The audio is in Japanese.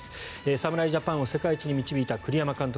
侍ジャパンを世界一に導いた栗山監督。